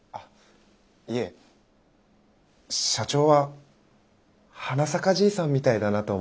いえ社長ははなさかじいさんみたいだなと思いまして。